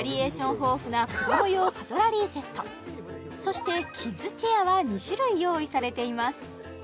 豊富な子ども用カトラリーセットそしてキッズチェアは２種類用意されています